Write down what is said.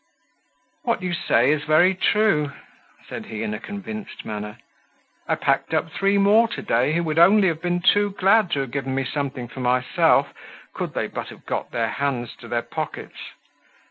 "What you say is very true," said he in a convinced manner. "I packed up three more to day who would only have been too glad to have given me something for myself, could they but have got their hands to their pockets.